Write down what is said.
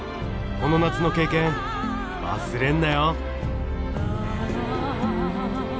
この夏の経験忘れんなよ！